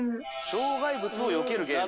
障害物をよけるゲーム？